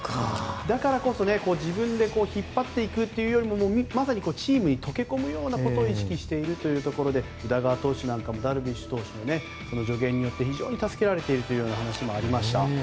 だからこそ、自分で引っ張っていくというよりもまさにチームに溶け込むようなことを意識しているということで宇田川投手なんかもダルビッシュ投手の助言によって非常に助けられているという話もありました。